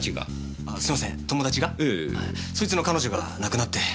そいつの彼女が亡くなって。